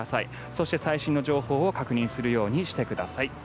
そして、最新の情報を確認するようにしてください。